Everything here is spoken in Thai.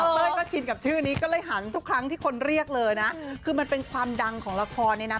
เต้ยก็ชินกับชื่อนี้ก็เลยหันทุกครั้งที่คนเรียกเลยนะคือมันเป็นความดังของละครเนี่ยนะ